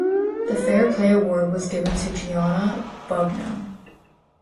The fair-play award was given to Gianni Bugno.